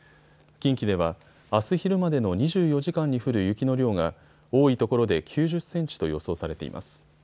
近畿では、あす昼までの２４時間に降る雪の量が多いところで９０センチと予想されています。